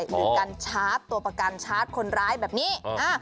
หรือการชาร์จตัวประกันชาร์จคนร้ายแบบนี้